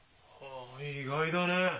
あ意外だね。